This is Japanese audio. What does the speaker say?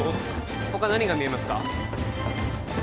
他何が見えますか？